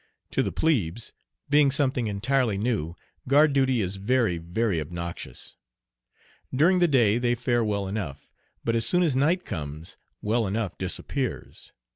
To the plebes, being something entirely new, guard duty is very, very obnoxious. During the day they fare well enough, but as soon as night comes "well enough" disappears.